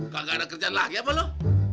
gak ada kerjaan lagi apa loh